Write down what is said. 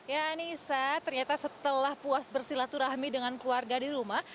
ya anissa ternyata setelah puas bersilaturahmi dengan keluarga di rumah